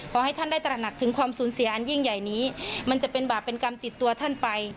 ขอให้ท่านได้ตระหนักถึงความสูญเสียอันยิ่งใหญ่นี้มันจะเป็นบาปเป็นกรรมติดตัวท่านไป